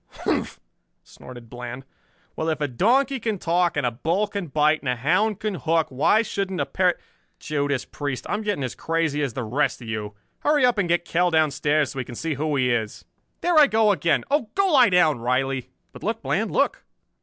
"Humph!" snorted Bland, "Well, if a donkey can talk, and a bull can bite, and a hound can hook, why shouldn't a parrot Judas Priest, I'm getting as crazy as the rest of you! Hurry up and get Kell downstairs so we can see who he is. There I go again! Oh, go lie down, Riley." "But look, Bland, look!"